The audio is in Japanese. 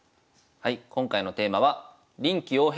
はい今回のテーマは「臨機応変！